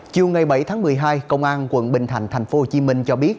chiều ngày bảy tháng một mươi hai công an quận bình thạnh tp hcm cho biết